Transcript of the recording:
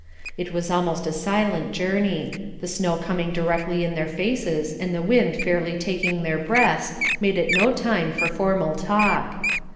It was almost a silent journey; the snow coming directly in their faces, and the wind fairly taking their breaths, made it no time for formal talk.